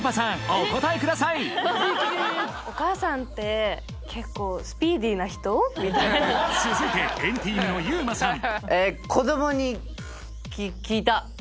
お答えください続いて＆ＴＥＡＭのＹＵＭＡさん